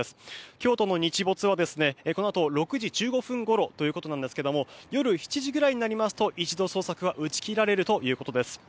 京都の日没はこのあと６時１５分ごろということですが夜７時くらいになりますと一度、捜索が打ち切られるということです。